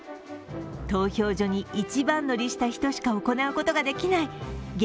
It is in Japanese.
投票所に一番乗りした人しか行うことができない激